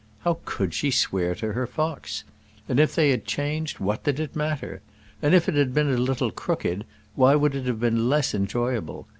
How could she swear to her fox? And if they had changed, what did it matter? And if it had been a little crooked, why would it have been less enjoyable?